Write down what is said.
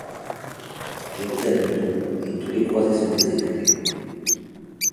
Jérusalem tombe, et tous les croisés sont exécutés.